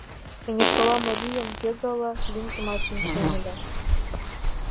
Эҥерсола марийым, кӧ гала, лӱмжымат шинчем ыле...